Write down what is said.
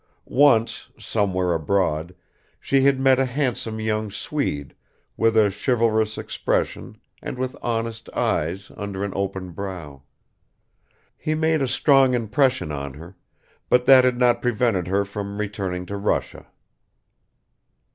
Once, somewhere abroad, she had met a handsome young Swede with a chivalrous expression and with honest eyes under an open brow; he made a strong impression on her, but that had not prevented her from returning to Russia.